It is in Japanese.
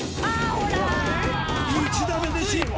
ほら１打目で失敗！